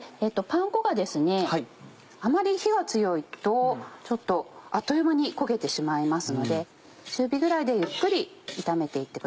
パン粉があまり火が強いとあっという間に焦げてしまいますので中火ぐらいでゆっくり炒めて行ってください。